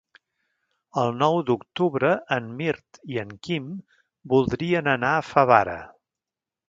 El nou d'octubre en Mirt i en Quim voldrien anar a Favara.